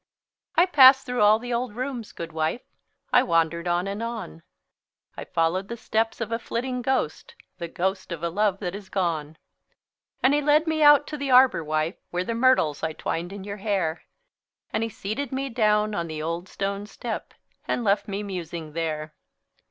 I passed through all the old rooms, good wife; I wandered on and on; I followed the steps of a flitting ghost, The ghost of a love that is gone. And he led me out to the arbor, wife, Where with myrtles I twined your hair; And he seated me down on the old stone step, And left me musing there.